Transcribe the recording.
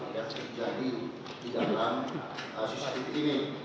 yang terjadi di dalam sisi ini